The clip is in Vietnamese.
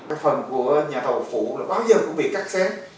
cái phần của nhà thầu phụ là bao giờ cũng bị cắt sen